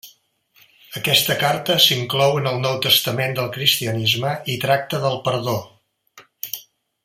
Aquesta carta s'inclou en el Nou Testament del cristianisme i tracta del perdó.